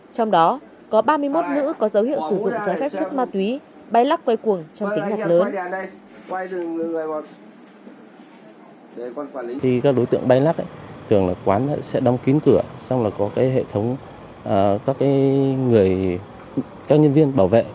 trong đó có ba mươi một nữ có dấu hiệu sử dụng trái phép chất ma túy bay lắc quay cuồng trong tính nhạc lớn